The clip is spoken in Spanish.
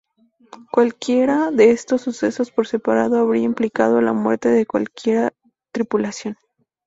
Cualquiera de esos sucesos por separado habría implicado la muerte de cualquier tripulación.